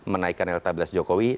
menaikkan elektabilitas jokowi